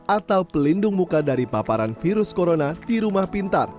atau pelindung muka dari paparan virus corona di rumah pintar